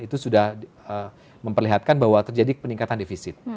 itu sudah memperlihatkan bahwa terjadi peningkatan defisit